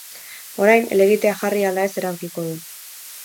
Orain, helegitea jarri ala ez erabakiko du.